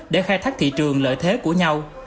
để khai thác thị trường lợi thế của nhau